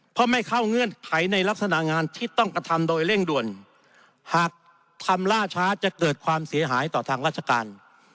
เพราะไม่เข้าเงื่อนไขในลักษณะงานที่ต้องกระทำโดยเร่งด่วนหากทำล่าช้าจะเกิดความเสียหายต่อทางราชการ